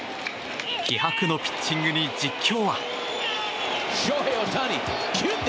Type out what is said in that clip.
気迫のピッチングに実況は。